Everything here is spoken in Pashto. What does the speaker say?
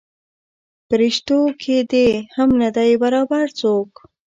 پریشتو کې دې هم نه دی برابر څوک.